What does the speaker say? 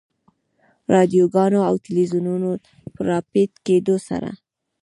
رادیوګانو او تلویزیونونو په راپیدا کېدو سره.